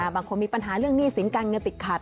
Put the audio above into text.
มีปัญหาเรื่องหนี้สินการเงินติดขัด